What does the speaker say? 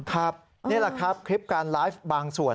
ครับนี่แหละครับคลิปการไลฟ์บางส่วน